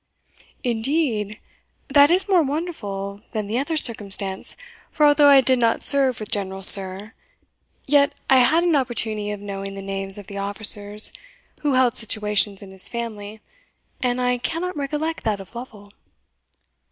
"Indeed! that is more wonderful than the other circumstance! for although I did not serve with General Sir , yet I had an opportunity of knowing the names of the officers who held situations in his family, and I cannot recollect that of Lovel."